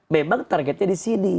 memang targetnya di sini